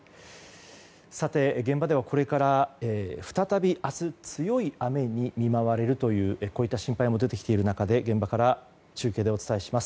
さて、現場ではこれから再び明日強い雨に見舞われるという心配も出てきている中で現場から中継でお伝えします。